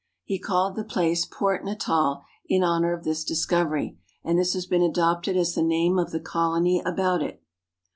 He called the place Port Natal in honor of this discovery, and this has been adopted as the name of the colony about it.